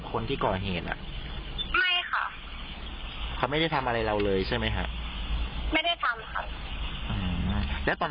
หรือว่าลงกลางทาง